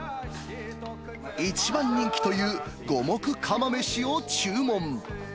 一番人気という五目釜めしを注文。